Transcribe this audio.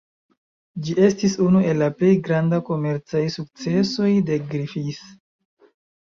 Ĝi estis unu el la plej grandaj komercaj sukcesoj de Griffith.